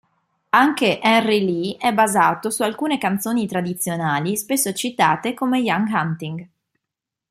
Anche "Henry Lee" è basato su alcune canzoni tradizionali spesso citate come "Young Hunting".